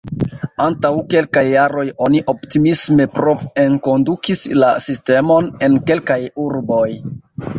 Antaŭ kelkaj jaroj oni optimisme prov-enkondukis la sistemon en kelkaj urboj.